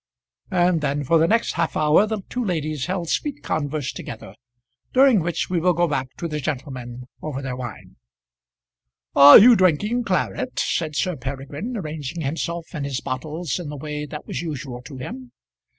And then for the next half hour the two ladies held sweet converse together, during which we will go back to the gentlemen over their wine. [Illustration: Over their Wine.] "Are you drinking claret?" said Sir Peregrine, arranging himself and his bottles in the way that was usual to him.